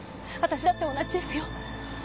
私だって同じですよ。